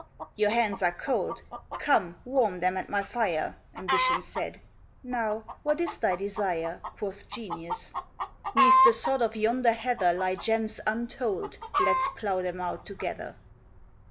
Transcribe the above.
'Your hands are cold come, warm them at my fire,' Ambition said. 'Now, what is thy desire?' Quoth Genius, ''Neath the sod of yonder heather Lie gems untold. Let's plough them out together.'